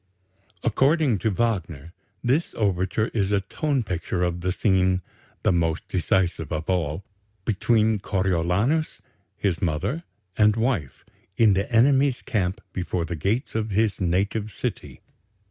According to Wagner, this overture is a tone picture of the scene "the most decisive of all" between Coriolanus, his mother, and wife, in the enemy's camp before the gates of his native city.